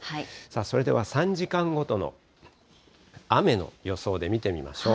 それでは３時間ごとの雨の予想で見てみましょう。